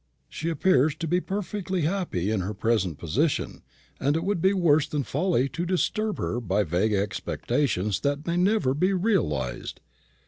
She appears to be perfectly happy in her present position, and it would be worse than folly to disturb her by vague expectations that may never be realised.